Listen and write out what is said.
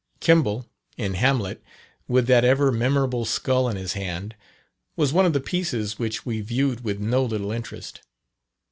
Kemble, in Hamlet, with that ever memorable skull in his hand, was one of the pieces which we viewed with no little interest.